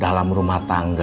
dalam rumah tangga